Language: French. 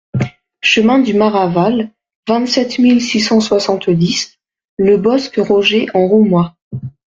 Chemin du Maraval, vingt-sept mille six cent soixante-dix Le Bosc-Roger-en-Roumois